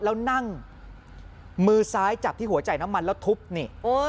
แล้วนั่งมือซ้ายจับที่หัวจ่ายน้ำมันแล้วทุบนี่